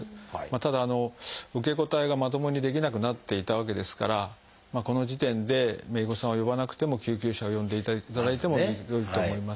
ただ受け答えがまともにできなくなっていたわけですからこの時点で姪御さんを呼ばなくても救急車を呼んでいただいても良いと思います。